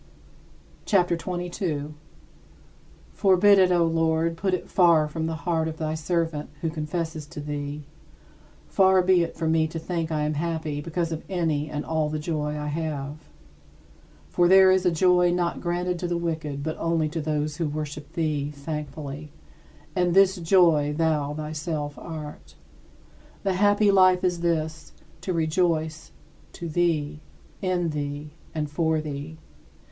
CHAPTER XXII 32. Forbid it, O Lord, put it far from the heart of thy servant, who confesses to thee far be it from me to think I am happy because of any and all the joy I have. For there is a joy not granted to the wicked but only to those who worship thee thankfully and this joy thou thyself art. The happy life is this to rejoice to thee, in thee, and for thee.